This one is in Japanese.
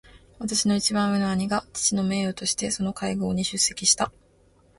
私の一番上の兄が父の名代としてその会合に出席した。